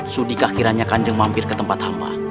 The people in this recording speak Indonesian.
sudikah kiranya kanjeng mampir ke tempat hamba